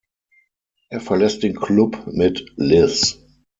Er verlässt den Club mit Liz.